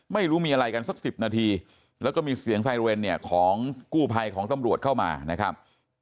ไม่รู้มีอะไรกันสัก๑๐นาทีแล้วก็มีเสียงไซเรนเนี่ยของกู้ภัยของตำรวจเข้ามานะครับ